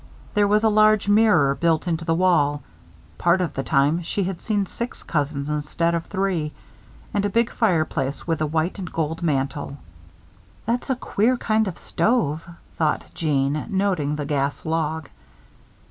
There was a large mirror built into the wall part of the time she had seen six cousins instead of three and a big fireplace with a white and gold mantel. "That's a queer kind of stove," thought Jeanne, noting the gas log.